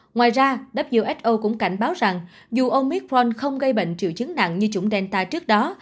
ngoài ra who cũng cảnh báo rằng dù ông midron không gây bệnh triệu chứng nặng như chủng delta trước đó